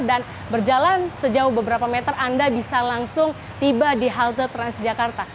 dan berjalan sejauh beberapa meter anda bisa langsung tiba di halte transjakarta